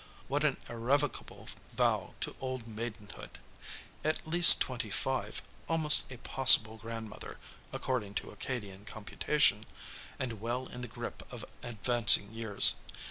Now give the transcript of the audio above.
What an irrevocable vow to old maidenhood! At least twenty five, almost a possible grandmother, according to Acadian computation, and well in the grip of advancing years.